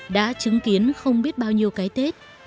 đã chứng kiến không biết bao nhiêu cái tết